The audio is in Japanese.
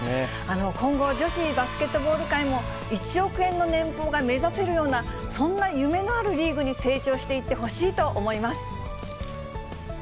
今後、女子バスケットボール界も、１億円の年俸が目指せるような、そんな夢のあるリーグに成長していってほしいと思います。